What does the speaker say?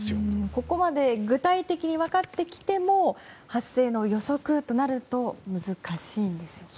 ここまで具体的に分かってきても発生の予測となると難しいんですよね。